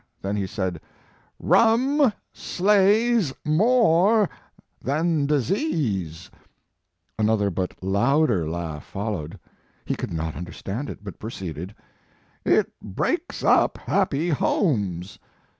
Then he said: "Rum slays more than disease !" Another, but louder laugh followed. He could not under stand it, but proceeded: "It breaks up happy homes